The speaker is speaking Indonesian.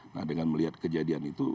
nah dengan melihat kejadian itu